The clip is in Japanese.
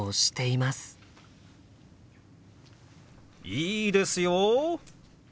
いいですよ！